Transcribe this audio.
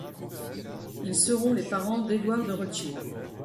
Ils seront les parents d'Édouard de Rothschild.